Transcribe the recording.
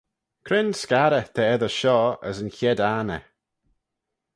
Cre'n scarrey ta eddyr shoh as y chied anney?